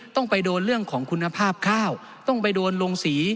ต้องไปโดนเรื่องของคุณภาพข้าวต้องไปโดนลงสี